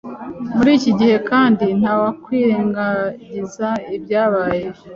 Muri iki gihe kandi ntawakwirengagiza ibyabaye